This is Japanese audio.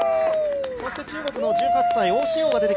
そして中国の１８歳王梓